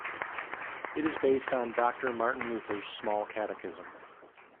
It is based on Doctor Martin Luther's Small Catechism.